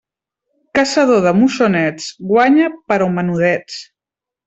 Caçador de moixonets, guanya, però menudets.